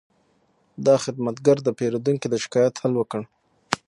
دا خدمتګر د پیرودونکي د شکایت حل وکړ.